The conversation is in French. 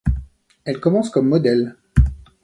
Elle commence comme modèle.